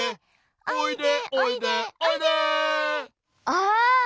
ああ！